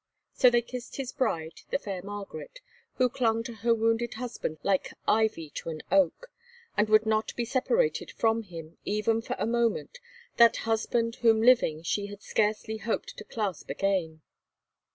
So they kissed his bride, the fair Margaret, who clung to her wounded husband like ivy to an oak, and would not be separated from him, even for a moment, that husband whom living she had scarcely hoped to clasp again.